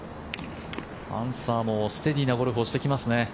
アンサーもステディーなゴルフをしてきますね。